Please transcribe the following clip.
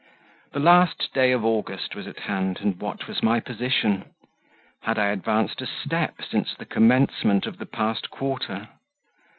The last day of August was at hand, and what was my position? Had I advanced a step since the commencement of the past quarter?